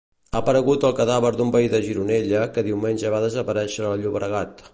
Ha aparegut el cadàver d'un veí de Gironella que diumenge va desaparèixer al Llobregat.